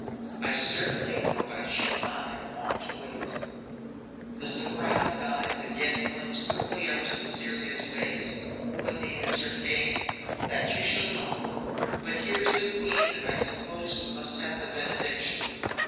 "I certainly hope I shall not have long to wait." The surprised eyes again glanced quickly up to the serious face, but the answer came: "That you shall not: but here is the queen, and I suppose we must have the benediction."